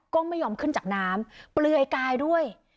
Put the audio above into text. ก็ไม่ยอมขึ้นจากน้ำเปลือยกายด้วย